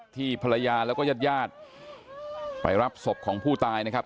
ที่ภรรยาแล้วก็ญาติญาติไปรับศพของผู้ตายนะครับ